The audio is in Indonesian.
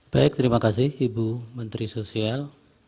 baik terima kasih ibu menteri sosial